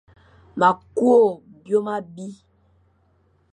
Ma kw byôm abi.